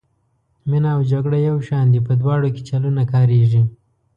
مینه او جګړه یو شان دي په دواړو کې چلونه کاریږي.